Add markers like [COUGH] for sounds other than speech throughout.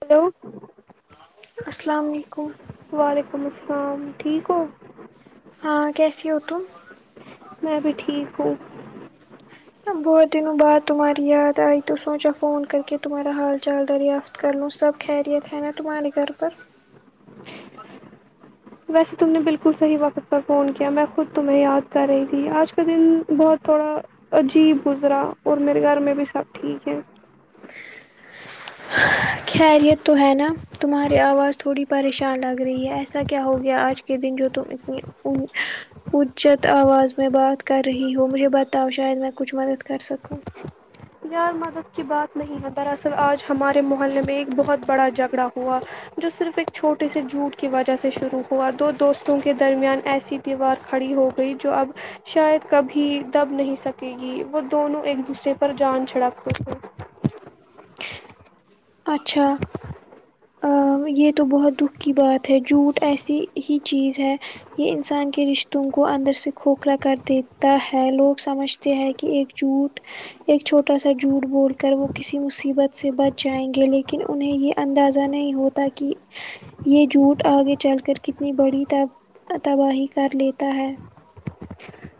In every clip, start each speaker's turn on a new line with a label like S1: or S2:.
S1: hello
S2: السلام علیکم
S1: وعلیکم السلام ٹھیک ہو
S2: ہاں کیسی ہو تم
S1: میں بھی ٹھیک ہوں
S2: بہت دنوں بعد تمہاری یاد آئی تو سوچا فون کر کے تمہارا حال چال دریافت کر لوں سب خیریت ہے نا تمہارےگھر پر
S1: ویسے تم نے بالکل صحیح وقت پر فون کیا میں خود تمہیں یاد کر رہی تھی اج کا دن بہت تھوڑا عجیب گزرا اور میرے گھر میں بھی سب ٹھیک ہے
S2: خیریت تو ہے نا تمہاری اواز تھوڑی پریشان لگ رہی ہے ایسا کیا ہو گیا اج کے دن جو تم اتنی ان اجت اواز میں بات کر رہی ہو مجھے بتاؤ شاید میں کچھ مدد کر سکوں
S1: یار مذہب کی بات نہیں ہے دراصل اج ہمارے محلے میں ایک بہت بڑا جھگڑا ہوا جو صرف ایک چھوٹے سے جھوٹ کی وجہ سے شروع ہوا دو دوستوں کے درمیان ایسی دیوار کھڑی ہو گئی جو اب شاید کبھی دب نہیں سکے گی وہ دونوں ایک دوسرے کو پر جان چھڑکتے تھے
S2: اچھا ا یہ تو بہت دکھ کی بات ہے جھوٹ ایسی ہی چیز ہے یہ انسان کے رشتوں کو اندر سے کھوکھلا کر دیتا ہے لوگ سمجھتے ہیں کہ ایک جھوٹ ایک چھوٹا سا جھوٹ بول کر وہ کسی مصیبت سے بچ جائیں گے لیکن انہیں یہ اندازہ نہیں ہوتا کہ یہ جھوٹ اگے چل کر کتنی بڑی تا تباہی کر لیتا ہے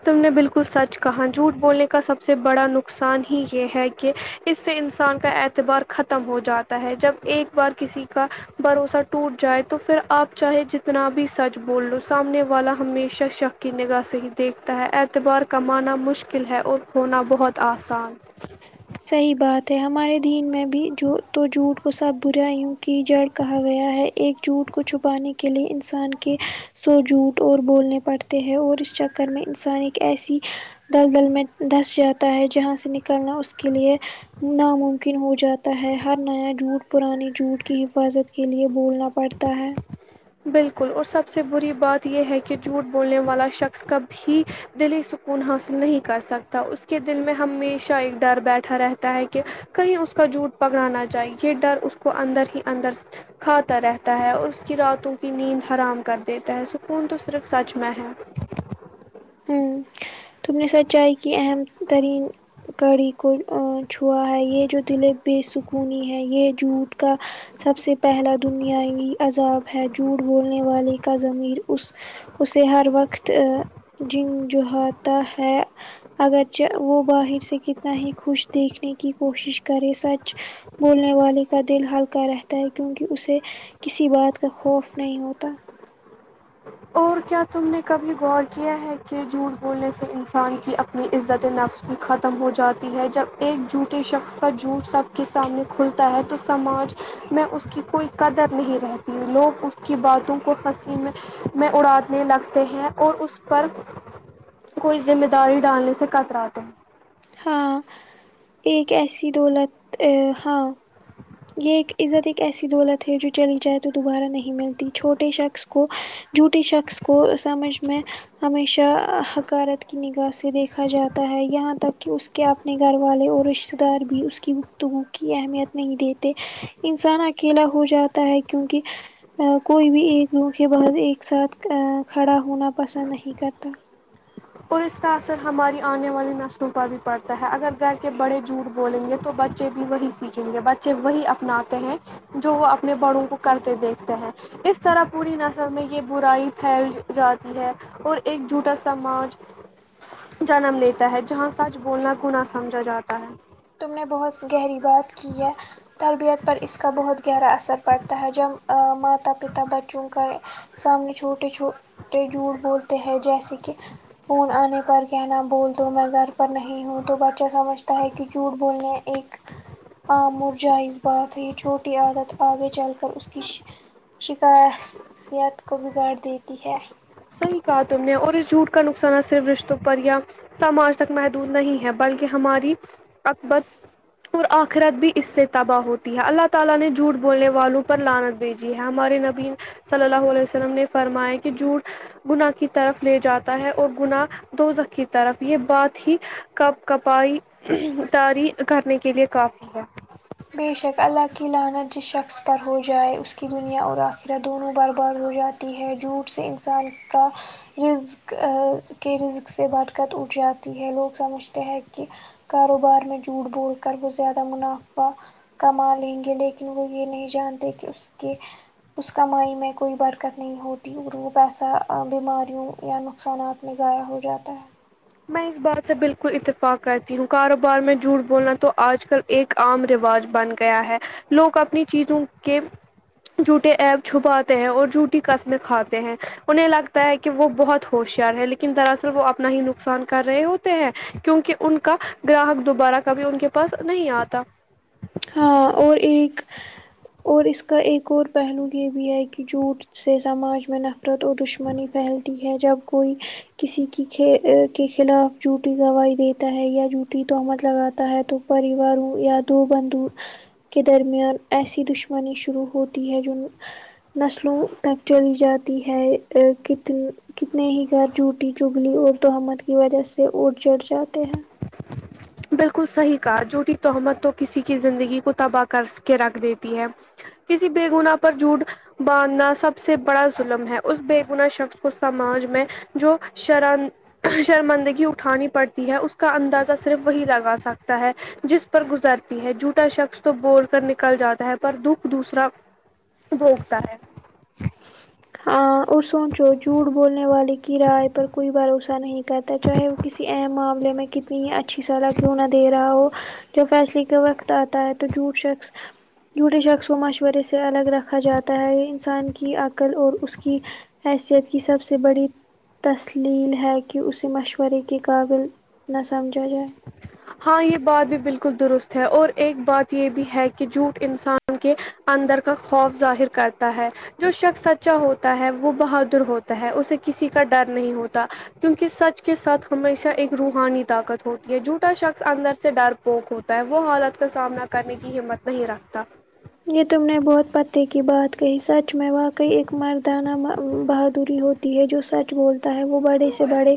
S1: تم نے بالکل سچ کہا جھوٹ بولنے کا سب سے بڑا نقصان ہی یہ ہے کہ اس سے انسان کا اعتبار ختم ہو جاتا ہے جب ایک بار کسی کا بھروسہ ٹوٹ جائے تو پھر اپ چاہے جتنا بھی سچ بول لو سامنے والا ہمیشہ شک کی نگاہ صحیح دیکھتا ہے اعتبار کمانا مشکل ہے اور کھونا بہت اسان
S2: صحیح بات ہے ہمارے دین میں بھی جو تو جھوٹ کو سب برا ہوں کہ جڑ کہا گیا ہے ایک جھوٹ کو چھپانے کے لیے انسان کے سو جھوٹ اور بولنے پڑتے ہیں اور اس چکر میں انسان ایک ایسی دل دل میں دھس جاتا ہے جہاں سے نکلنا اس کے لیے ناممکن ہو جاتا ہے ہر نیا جھوٹ پرانی جھوٹ کی حفاظت کے لیئے بولنا پڑتا ہے
S1: بالکل اور سب سے بری بات یہ ہے کہ جھوٹ بولنے والا شخص کا بھی دلی سکون حاصل نہیں کر سکتا اس کے دل میں ہمیشہ ایک ڈر بیٹھا رہتا ہے کہ کہیں اس کا جھوٹ پکڑا نہ جائے یہ ڈر اس کو اندر ہی اندر کھاتا رہتا ہے اور اس کی راتوں کی نیند حرام کر دیتا ہے سکون تو صرف سچ میں ہے
S2: ہمم تم نے سچائی کی اہم ترین کڑی کو چھوا ہے یہ جو دل بےسکونی ہے یہ جھوٹ کا سب سے پہلا دنیاوی عذاب ہے جھوٹ بولنے والے کا زمیر اس اسے ہر وقت جن جو ہوتا ہے اگر چہ وہ باہر سے کتنا ہی خوش دیکھنے کی کوشش کرے سچ بولنے والے کا دل ہلکا رہتا ہے کیونکہ اس سے کسی بات کا خوف نہیں ہوتا
S1: اور کیا تم نے کبھی غور کیا ہے کہ جھوٹ بولنے سے انسان کی اپ نی عزت نفس بھی ختم ہو جاتی ہے جب ایک جھوٹے شخص کا جھوٹ سب کے سامنے کھلتا ہے تو سماج میں اس کی کوئی قدر نہیں رہتی ہے لوگ اس کی باتوں کو ہنسی میں میں اڑانے لگتے ہیں اور اس پر کوئی ذمہ داری ڈالنے سے کتراتے ہیں
S2: ہاں ایک ایسی دولت ا ہاں یہ ایک عزت ایک ایسی دولت ہے جو چلی جائے تو دوبارہ نہیں ملتی چھوٹے شخص کو جوٹے شخص کو سمجھ میں ہمیشہ حکارت کی نگاہ سے دیکھا جاتا ہے یہاں تک کہ کہ اپنے گھر والے اور رشتتے دار بھی اس کی گفتگو کی اہمیت نہیں دیتے انسان اکیلا ہو جاتا ہے کیونکہ کوئی بھی ایک دھوکے باز ایک ساتھ کھڑا ہونا پسند نہیں کرتا
S1: اور اس کا اثر ہماری آنے والی نسلوں پر بھی پڑتا ہے اگر گھر کے بڑے جھوٹ بولیں گے تو بچے بچے بھی وہی سیکھیں گے بچے وہی اپناتے ہیں جو وہ اپنے بڑوں کو کرتے دیکھتے ہیں اس طرح پوری نسل میں یہ برائی پھیل جاتی ہے اور ایک جھٹا سماج جنم لیتا ہے جہاں سچ بولنا گناہ سمجھا جاتا ہے
S2: تم نے بہت گہری بات کی ہے تربیت پر اس کا بہت گہرا اثر پڑتا ہے جب ا ماتا پتا بچوں کا سامنے چھوٹے چھوٹے جھوٹ بولتے ہیں جیسے کہ فون آنے پر کہنا بول دو میں گھر پر نہیں ہوں تو بچہ سمجھتا ہے کی چوٹ بولنے ایک آمر جائز بات ہے چھوٹی عادت آگے چل کر اس کی شکاسیت کو بگاڑ دیتی ہے
S1: صحیح کہا تم نے اور اس جھوٹ کا نقصانہ صرف رشتوں پر یا سماج تک محدود نہیں ہے بلکہ ہماری اکبت اور آخرت بھی اس سے تباہ ہوتی ہے اللہ تعالی نے جھوٹ بولنے والوں پر لانت بھیج جی ہاں ہمارے نبی صلی اللہ علیہ وسلم نے فرمایا کہ جھوٹ گناہ کی طرف لے جاتا ہے اور گناہ دوزخ کی طرف یہ بات ہی کپ کپائی داری کرنے کے لیے کافی ہے
S2: بے شک اللہ کی لعنت جس شخص پر ہو جائے اس کی دنیا اور آخرت دونوں بار بارت ہو جات تی ہے جوٹ سے انسان کا رزق کے رزق سے برکت اٹھ جاتی ہے لوگ سمجھتے ہیں کہ کاروبار میں جھوٹ بول کر بہت زیادہ منافع فا کما لیں گے لیکن وہ یہ نہیں جانتے کہ اس کے اس کمائی میں کوئی برکت نہیں ہوتی اور وہ پیسہ بیماریوں یا نقصانات مزایہ ہو جاتا ہے
S1: میں اس بات سے بالکل اتفاق کرتی ہوں کاروبار میں جھوٹ بولنا تو آج کل ایک عام رواج بن گیا ہے لوگ اپنی چیزوں کے جھوٹے ایپ چھپاتے ہیں اور جھوٹی قسمیں کھاتے ہیں انہیں لگتا ہے کہ کے وہ بہت ہوشیار ہے لیکن دراصل وہ اپنا ہی نقصان نقصان کر رہے ہوتے ہیں کیونکہ ان کا گراہک دوبارہ کبھی ان کے پاس نہیں آتا
S2: ہاں اور ایک اور اس کا ایک اور پہلو یہ بھی ہے کہ جھوٹ سے سماج میں نف قرت و دشمنی پھیلتی ہے جب کوئی کسی کی کے خلاف جھوٹی گوائی دیتا ہے یا جھوٹی تہمت لگاتا ہے تو پریوار یادو بندو کے درمیان ایسی دشمنی شروع ہوتی ہے جن نسلوں تک چل جاتی ہے کتنی کتنے ہی گھر جھوٹی چگلی اور تہمت کی وجہ سے اجڑھ جاتے ہیں
S1: بالکل صحیح کا جھوٹی تہمت تو کسی کی زندگی کو تباہ کر کے رکھ دیتی ہے کسی بے گنا پر جھوٹ باندھنا سب سے بڑا ظلم ہے اس بےگنا شخص کو سماج میں جو شراند شرمندگی اٹھانی پڑتی ہے اس کے کا اندازہ صرف وہی لگا سکتا ہے جس پر گزرتی ہے جوٹا شخص تو بول کر نکل جاتا ہے پر دکھ دوسرا بھوگتا ہے
S2: ہاں اور سوچو جھوٹ بولنے والے کی رائے پر کوئی بھروسہ نہیں کہتا ہے چاہے وہ کسی اہم معاملے میں کتنی ہی اچھا اچھی صلاح کیوں نہ دے رہا ہو جو فیصلے کے وقت آتا ہے تو جھوٹ شخص جھوٹے شخص و مشورے سے الگ رکھا جاتا ہے یہ انسان کی عقل اور اس کی حیثیت کی سب سے بڑی تسلیل ہے کہ اسے مشورے کے قابل نہ سمجھا جائے
S1: ہاں یہ بات بھی بالکل درست ہے اور ایک بات یہ بھی ہے کہ جھوٹ انسان ان کے اندر کا خوف ظاہر کرتا ہے جو شخص سچا ہوتا ہے وہ بہادر ہوتا ہے اسے کسی کا ڈر نہیں ہوتا کیونکہ سچ کے ساتھ ہمیشہ ایک روحانی طاقت ہوتی ہے جو ا شخص اندر سے ڈر پوک ہوتا ہے وہ حالت کا سامنا کرنے کی ہمت نہیں رکھتا
S2: یہ تم نے بہت پتے کی بات کہ سچ میں واقعی ایک مردانہ بہادری ہوتی ہے جو سچ بولتے ہے وہ بڑے سے بڑے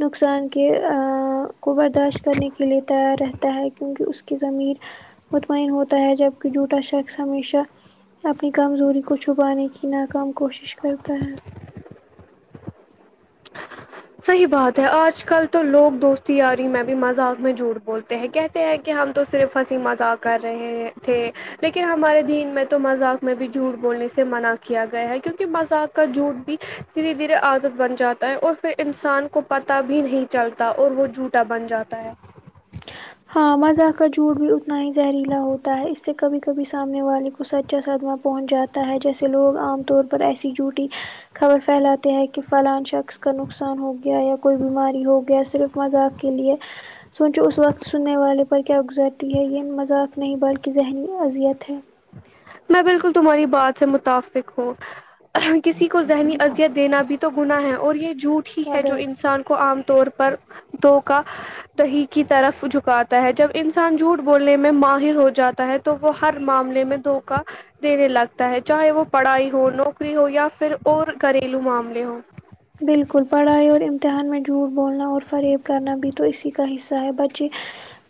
S2: نقصان کے ا برداشت کرنے کے لیے تیار رہتا ہے کیونکہ اس کی زمیر مطمئین پوتا ہے جب جھوٹا شخص ہمیشہ اپنی کمزوری کو چھپانے کی نا کام کوشش کرتا ہے
S1: صحیح بات ہے آج کل تو لوگ دوست یاری میں بھی مذاق میں جھوٹ بولتے ہیں کیا کہ ہم تو صرف ہنسی مذاق کر رہے تھے لیکن ہمارے دین میں تو مذاق میں بھی جھوٹ بولنے سے منع کیا گیا ہے کیونکہ مذاق کا جھوٹ بھی دھیرے دھیرے عادت بن جاتا ہے اور پھر انسان کو پتہ بھی نہیں چلتا اور وہ جھوٹا بن جاتا ہے
S2: ہاں مزاق کا جھوٹ بھی اتنا ہی زہریلا ہوتا ہے اس سے کبھی کبھی سامنے والے کو سچا صدمہ پہنچ جاتا ہے جیسے لوگ عام طور پر ایسی چھو ٹی خبر پھیلاتے ہیں کہ فلاں شخص کا نقصان ہو گیا یا کوئی بیماری ہو گیا صرف مذاق کے لیے سوچو اس وقت ان پر کیا گزرتی ہے یہ مذاق نہیں بلکہ ذہنی اذیت ہے
S1: میں بالکل تمہاری بات سے متفق ہوں کسی کو ذہنی اذیت دینا بھی تو گناہ ہے اور یہ جھوٹ ہی ہے جو انسان کو عام طور پر دھو کا دہی کی طرف جھکاتا ہے جب انسان جھوٹ بولنے میں ماہر ہو جاتا ہے تو وہ ہر معاملے میں دھوکا دینے لگتا ہے چاہے وہ پڑھائی ہو نوکری ہو یا پھر اور گھریلو معاملے ہوں
S2: بالکل پڑھائی اور امتحان میں جھوٹ بولنا اور فریب کرنا بھی تو اسی کا حصہ ہے بچے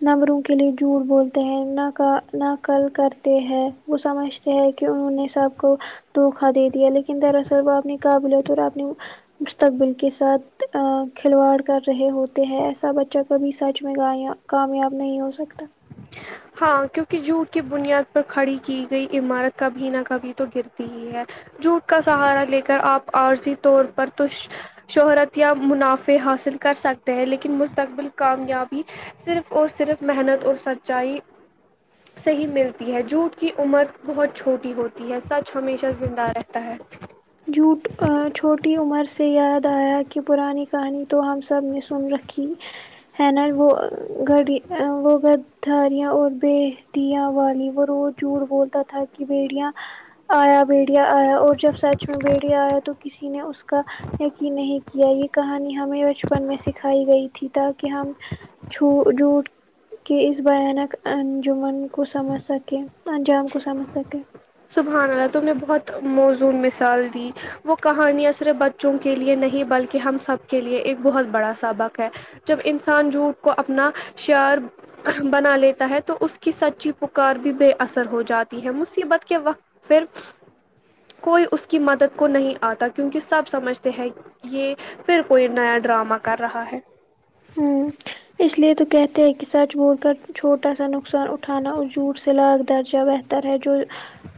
S2: نمبروں کے لیے جھوٹ بولتے ہیں نہ کا نہ کل کرتے ہیں وہ سمجھتے ہیں کہ انہوں نے سب کو دھوکھا دے دیا لیکن دراصل وہ اپنی قابلیت اور آپ نے مستقبل کے ساتھ کھلواڑ کر رہے ہوتے ہیں ایسا بچہ کبھی سچ میں آیا کامیاب نہیں ہو سکتا
S1: ہاں کیونکہ جھوٹ کی بنیاد پر کھڑی کی گئی عمارت کبھی نہ کبھی تو گرتی ہی ہے جھوٹ کا سہارا لے کر آپ عارضی طور پر تش شہرت یا منافع حاصل کر سکتے ہیں لیکن مستقبل کامیابی صرف اور صرف محنت اور سچائی صحیح ملتی ہے جھوٹ کی عمر بہت چھوٹی ہوتی ہے سچ ہمیشہ زندہ رہ تا ہے
S2: جھوٹ چھوٹی عمر سے یاد آیا کہ پرانی کہانی تو ہم سب نے سن رکھی ہےر وہ گڑی وہ گ [UNINTELLIGIBLE] تھاریاں اور ب دیاں والی وہ روز جھوٹ بولتا تھا کہ بیڑیاں آیا بڑیا آیا اور جب سچ میں بڑیا آیا تو کسی نے اس کا یقین نہیں کیا یہ کہانی ہمیں بچپن میں سکھائی گئی تھی تاکہ ہم چو جھوٹ کہ اس بھیانک انجمن کو سمجھ سکے انجام کو سمجھ سکے
S1: سبحان الله تم نے بہت موزون مثال دی وہ کہانیاں صرف بچوں کے لیے نہیں بلکہ ہم سب کے لیے ایک بہت بڑا سبق ہے جب انسان جھوٹ کو اپنا شیعر بنا لیتا ہے تو اس کی سچی پکار بھی بے اثر ہو جاتی ہے مصیبت کے وقت پھر کوئی اس کی مدد کو نہیں آتا کیونکہ سب سمجھتے ہیں یہ پھر کوئی نیا ڈرامہ کر رہا ہے
S2: ہوں اس لیے تو کہتے ہیں کہ سچ بول کر چھوٹا سا نقصان اٹھانا اور جھوٹ سے لاکھ درجہ بہ تر ہے جو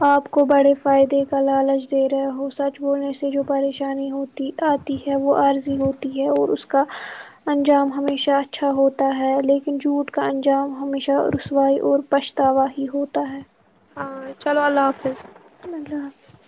S2: آپ کو بڑے فائدے کا لالچ دے رہے ہو سچ بولنے سے جو پریشانی ہوتی آ تی ہے وہ عارضی ہوتی ہے اور اس کا انجام ہمیشہ اچھا ہو تا ہے لیکن جھوٹ کا انجام ہمیشہ رسوائی اور پچھتاوا ہی ہوتا ہے
S1: ہاں چلو اللہ حافظ
S2: الله حافظ